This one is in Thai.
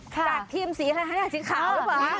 จากทีมสีขาวหรือเปล่า